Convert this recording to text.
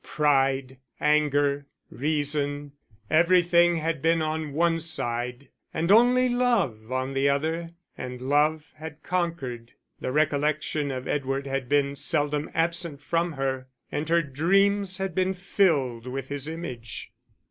Pride, anger, reason, everything had been on one side, and only love on the other; and love had conquered. The recollection of Edward had been seldom absent from her, and her dreams had been filled with his image.